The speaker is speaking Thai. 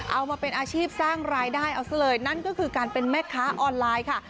เอามาเป็นอาชีพสร้างรายได้เอาซะเลยนั่นก็คือการเป็นแม่ค้าออนไลน์ค่ะ